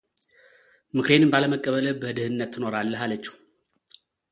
ምክሬንም ባለመቀበልህ በድህነት ትኖራለህ አለችው፡፡